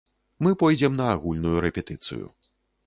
Мы пойдзем на агульную рэпетыцыю.